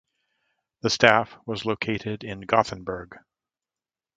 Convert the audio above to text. The staff was located in Gothenburg.